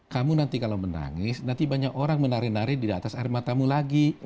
kamu nanti kalau menangis nanti banyak orang menari nari di atas air matamu lagi